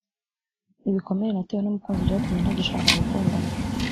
ibikomere natewe n’ umukunzi byatumye ntagishaka gukundana